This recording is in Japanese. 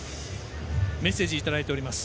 メッセージいただいております。